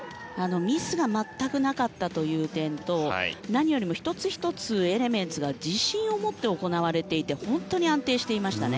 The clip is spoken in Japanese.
ミスが全くなかったという点と何よりも、１つ１つエレメンツが自信を持って行われていて本当に安定していました。